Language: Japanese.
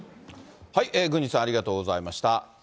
郡司さん、ありがとうございました。